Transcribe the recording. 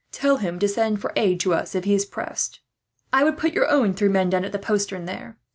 Tell him to send for aid to us, if he is pressed. "I would put your own three men down in the postern there.